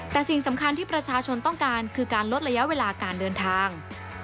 แต่สิ่งสำคัญที่ประชาชนต้องการคือการลดระยะเวลาการเดินทาง